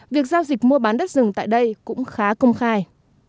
việc giao dịch mua bán đất rừng tại đây cũng khá công khai